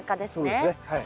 そうですねはい。